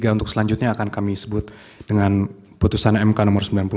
untuk selanjutnya akan kami sebut dengan putusan mk nomor sembilan puluh